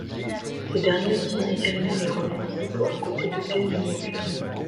Ces derniers tiennent également les rôles principaux aux côtés de Bill Murray.